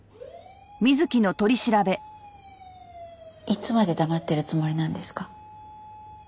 いつまで黙ってるつもりなんですか？